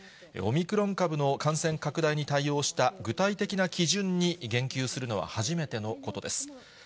オミクロン株の感染拡大に対応した具体的な基準に言及するのは初めてのことです。